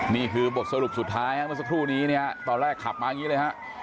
นี่คือบทสรุปสุดท้ายเมื่อสักครู่นี้เนี่ยตอนแรกขับมาอย่างนี้เลยฮะ